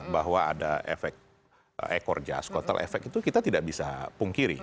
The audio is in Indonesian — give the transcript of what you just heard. bahwa ada efek ekor jas kotel efek itu kita tidak bisa pungkiri